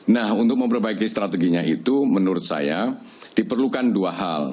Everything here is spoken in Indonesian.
nah untuk memperbaiki strateginya itu menurut saya diperlukan dua hal